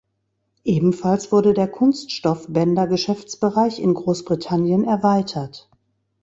Ebenfalls wurde der Kunststoffbänder-Geschäftsbereich in Grossbritannien erweitert.